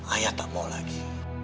ayah tak mau lagi